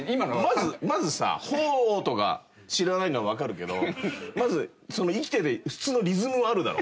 まずまずさ「Ｈｏ」とか知らないのはわかるけどまずその生きてて普通のリズムはあるだろ。